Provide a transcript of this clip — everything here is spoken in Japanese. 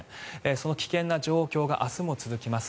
その危険な状況が明日も続きます。